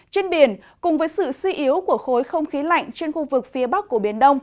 trên biển cùng với sự suy yếu của khối không khí lạnh trên khu vực phía bắc của biển đông